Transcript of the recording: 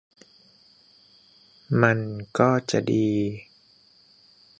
มันก็จะดี